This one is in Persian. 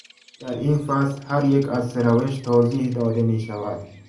در این فصل هر یک از سه روش توضیح داده میشود.